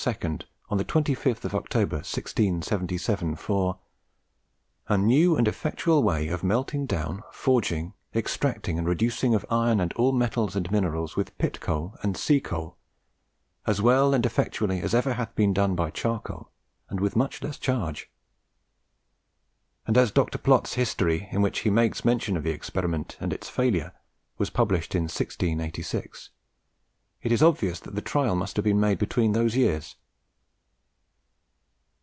on the 25th October, 1677, for "a new and effectual way of melting down, forging, extracting, and reducing of iron and all metals and minerals with pit coal and sea coal, as well and effectually as ever hath yet been done by charcoal, and with much less charge;" and as Dr. Plot's History, in which he makes mention of the experiment and its failure, was published in 1686, it is obvious that the trial must have been made between those years.